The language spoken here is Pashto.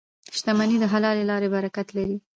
• شتمني د حلالې لارې برکت لري.